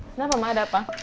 kenapa mama ada apa